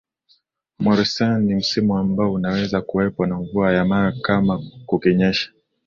Morusasin ni msimu ambao unaweza kuwepo na mvua ya mawe kama kukinyesha